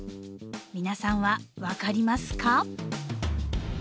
皆さんは分かりますか？